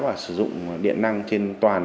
và sử dụng điện năng trên toàn